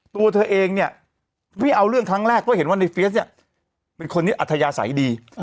ตัวเธอเองเนี่ยไม่เอาเรื่องครั้งแรกเพราะเห็นว่าในเฟียสเนี่ยเป็นคนที่อัธยาศัยดี